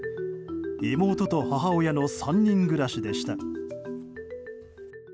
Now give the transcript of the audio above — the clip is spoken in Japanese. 妹と母親の３人暮らしでした。